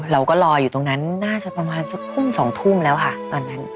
เราก็รออยู่ตรงนั้นน่าจะประมาณสักทุ่ม๒ทุ่มแล้วค่ะตอนนั้น